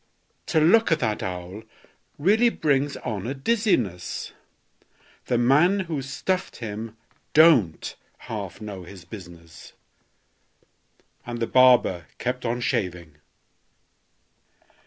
To look at that owl really brings on a dizziness; The man who stuffed him don't half know his business!" And the barber kept on shaving.